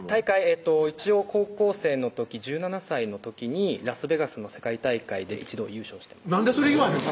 一応高校生の時１７歳の時にラスベガスの世界大会で一度優勝してますなんでそれ言わへんの？